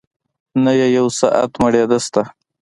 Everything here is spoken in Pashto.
نه يې يو ساعت مړېدۀ شته